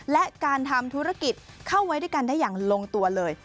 และการทำธุรกิจเข้าไว้ด้วยกันได้อย่างลงตัวเลย